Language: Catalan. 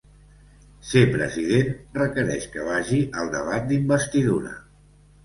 Ser president requereix que vagi al debat d’investidura.